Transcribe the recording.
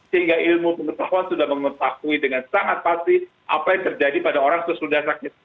sehingga ilmu pengetahuan sudah mengetahui dengan sangat pasti apa yang terjadi pada orang sesudah sakit